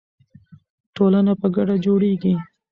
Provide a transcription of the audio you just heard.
ټولنه په ګډه جوړیږي.